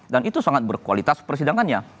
dan itu sangat berkualitas persidangannya